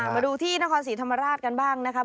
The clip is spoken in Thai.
มาดูที่นครศรีธรรมราชกันบ้างนะครับ